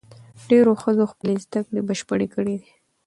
ډېرو ښځو خپلې زدهکړې بشپړې کړې دي.